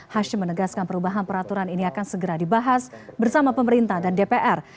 hashim menegaskan perubahan peraturan ini akan segera dibahas bersama pemerintah dan dpr